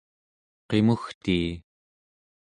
qimugtii